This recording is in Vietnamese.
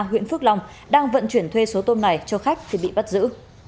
huyện phước long đang vận chuyển thuê số tôm này cho khách thì bị bắt giữ